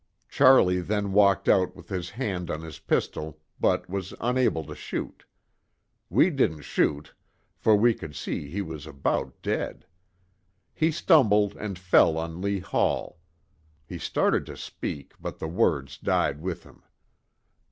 Charlie then walked out with his hand on his pistol, but was unable to shoot. We didn't shoot, for we could see he was about dead. He stumbled and fell on Lee Hall. He started to speak, but the words died with him.